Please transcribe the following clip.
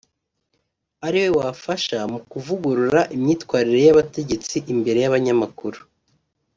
ari we wafasha mu kuvugurura imyitwarire y’abategetsi imbere y’abanyamakuru